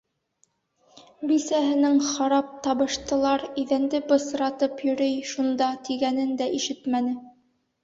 Бисәһенең, харап, табыштылар, иҙәнде бысратып йөрөй шунда, тигәнен дә ишетмәне.